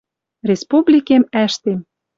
Республикем ӓштем